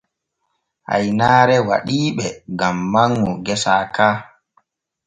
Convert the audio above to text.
Haynaare waɗii ɓe gam manŋu gesa ka.